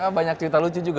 karena banyak cerita lucu juga